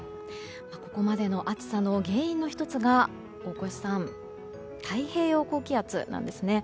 ここまでの暑さの原因の１つが太平洋高気圧なんです。